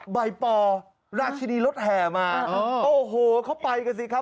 ใบปอราชินีรถแห่มาโอ้โหเขาไปกันสิครับ